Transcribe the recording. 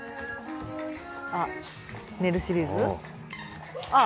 あっ寝るシリーズ？ああ。